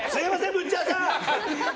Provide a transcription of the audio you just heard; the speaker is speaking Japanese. ブッチャーさん！